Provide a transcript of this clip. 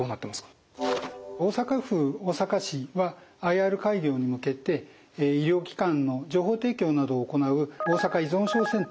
大阪府大阪市はＩＲ開業に向けて医療機関の情報提供などを行う大阪依存症センター